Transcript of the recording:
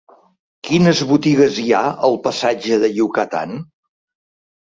Quines botigues hi ha al passatge de Yucatán?